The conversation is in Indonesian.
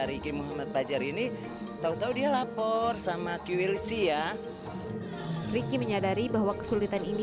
riki muhammad fajar ini tahu tahu dia lapor sama kiwilc ya riki menyadari bahwa kesulitan ini